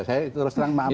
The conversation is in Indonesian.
saya terus terang maaf maaf